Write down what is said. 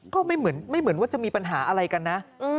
ก็ไม่เหมือนว่าจะมีปัญหาอะไรกันนะ